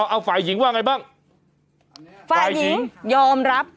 เอ้าฝ่ายหญิงว่าอย่างไรบ้างฝ่ายหญิงฝ่ายหญิงยอมรับ